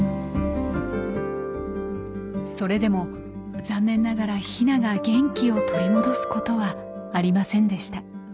それでも残念ながらヒナが元気を取り戻すことはありませんでした。